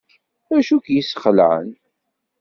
Acu i k-yesxelεen?